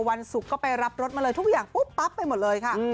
วันศุกร์ก็ไปรับรถมาเลยทุกอย่างปุ๊บปั๊บไปหมดเลยค่ะ